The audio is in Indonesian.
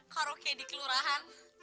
karaoke di kelurahan